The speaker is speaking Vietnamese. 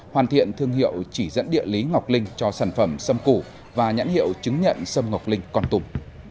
hoàn thiện thương hiệu chỉ dẫn địa lý ngọc linh cho sản phẩm sâm củ và nhãn hiệu chứng nhận sâm ngọc linh con tùm